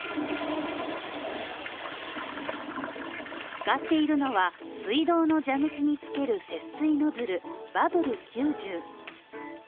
使っているのは水道の蛇口につける節水ノズルＢｕｂｂｌｅ